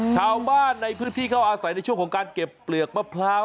ชาวบ้านในพื้นที่เขาอาศัยในช่วงของการเก็บเปลือกมะพร้าว